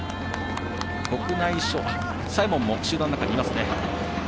サイモンも集団の中にいます。